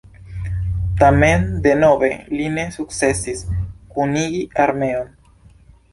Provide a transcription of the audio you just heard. Tamen denove li ne sukcesis kunigi armeon.